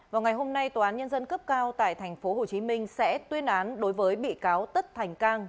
vào ngày hôm nay tòa án nhân dân cấp cao tại tp hcm sẽ tuyên án đối với bị cáo tất thành cang